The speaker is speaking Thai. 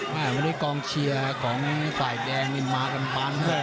มาด้วยกองเชียร์ของฝ่ายแดงเนี่ยมากันบ้าง